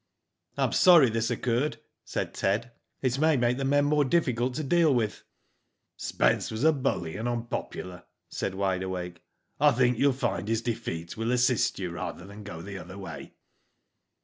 Tm sorry this occurred," saiid Ted. "It may make the men more difficult to deal with." "Spence was a bully, and unpopular," said Wide Awake. " I think you will find his defeat will assist you rather than go the other way."